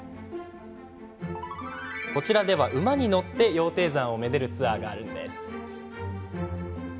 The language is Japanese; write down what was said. こちらでは、馬に乗って羊蹄山をめでるツアーがあるんです。